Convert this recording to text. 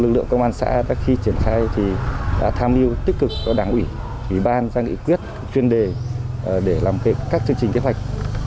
lực lượng công an xã đã khi triển khai thì đã tham dự tích cực của đảng ủy ủy ban gia nghị quyết chuyên đề để làm việc các chương trình kế hoạch